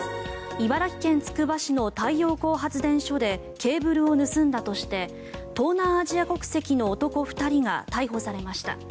茨城県つくば市の太陽光発電所でケーブルを盗んだとして東南アジア国籍の男２人が逮捕されました。